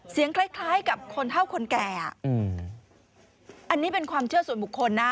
เสียงคล้ายกับคนเท่าคนแก่อันนี้เป็นความเชื่อส่วนบุคคลนะ